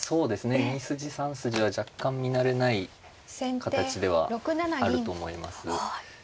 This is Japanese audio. ２筋３筋は若干見慣れない形ではあると思います。